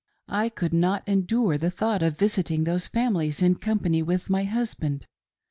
I could not endure the thought of visiting those families in company with my husband.